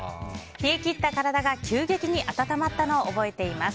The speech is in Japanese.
冷え切った体が急激に温まったのを覚えています。